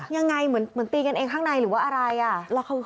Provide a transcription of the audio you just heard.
ยังไงเหมือนตีกันเองข้างในหรือว่าอะไรอ่ะ